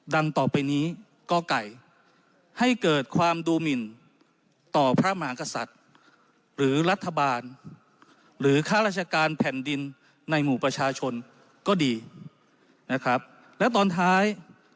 ต่อไปนี้ก่อไก่ให้เกิดความดูหมินต่อพระมหากษัตริย์หรือรัฐบาลหรือค่าราชการแผ่นดินในหมู่ประชาชนก็ดีนะครับและตอนท้าย